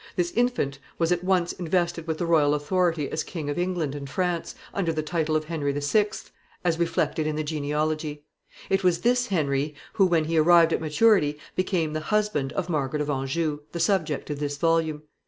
This infant was at once invested with the royal authority as King of England and France, under the title of Henry VI., as seen by the table. It was this Henry who, when he arrived at maturity, became the husband of Margaret of Anjou, the subject of this volume.